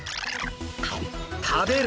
食べる！